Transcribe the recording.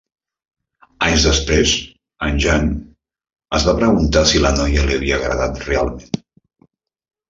Anys després, en Jean es va preguntar si la noia li havia agradat realment.